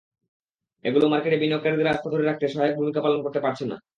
এগুলো মার্কেটে বিনিয়োগকারীদের আস্থা ধরে রাখতে সহায়ক ভূমিকা পালন করতে পারছে না।